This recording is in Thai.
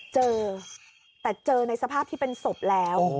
เจอแต่เจอในสภาพที่เป็นศพแล้ว